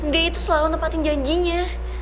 dia itu selalu menempatin janjinya